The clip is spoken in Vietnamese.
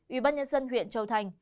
ủy ban nhân dân huyện châu thành